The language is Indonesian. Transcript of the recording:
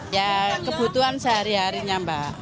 ya kebutuhan sehari harinya mbak